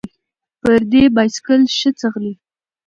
ـ پردى بايسکل ښه ځغلي.